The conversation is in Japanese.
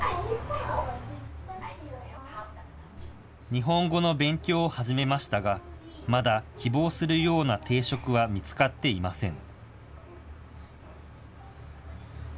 日本語の勉強を始めましたが、まだ希望するような定職は見つかっていません。